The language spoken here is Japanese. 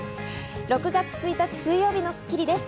６月１日、水曜日の『スッキリ』です。